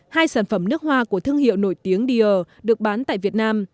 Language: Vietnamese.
hai sản phẩm nước hoa của thương hiệu nổi tiếng de được bán tại việt nam